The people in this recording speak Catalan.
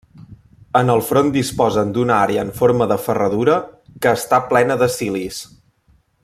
En el front disposen d'una àrea en forma de ferradura que està plena de cilis.